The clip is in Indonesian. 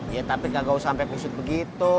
iya tapi kakak usah sampai pusut begitu